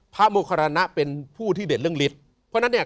โมคารณะเป็นผู้ที่เด่นเรื่องฤทธิ์เพราะฉะนั้นเนี่ย